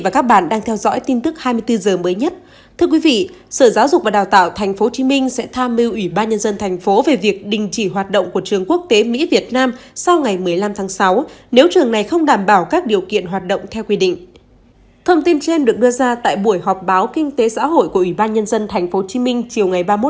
các bạn hãy đăng ký kênh để ủng hộ kênh của chúng mình nhé